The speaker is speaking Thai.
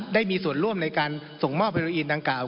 ได้มีส่วนร่วมในการส่งมอบไฮโลอีนดังกล่าว